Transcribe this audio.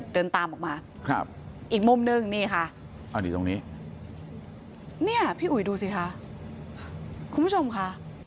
เดินตามออกมาอีกมุมหนึ่งนี่ค่ะพี่อุ๋ยดูสิค่ะคุณผู้ชมค่ะ